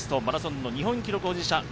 マラソンの日本記録保持者